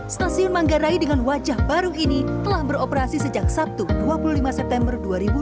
stasiun manggarai dengan wajah baru ini telah beroperasi sejak sabtu dua puluh lima september dua ribu dua puluh